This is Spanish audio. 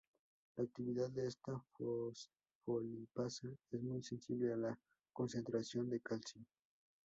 La actividad de esta fosfolipasa es muy sensible a la concentración de calcio.